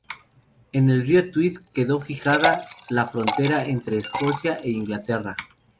En el río Tweed quedó fijada la frontera entre Escocia e Inglaterra.